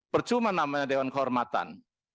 percuma namanya dewan kehormatan